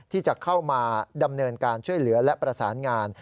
ที่จะเข้ามาดำเนินการช่วยเหลือและประสานงาน